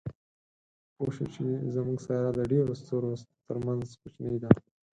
پوه شو چې زموږ سیاره د ډېرو ستورو تر منځ کوچنۍ ده.